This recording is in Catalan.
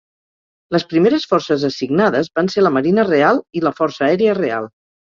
Les primeres forces assignades van ser la Marina Real i la Força Aèria Real.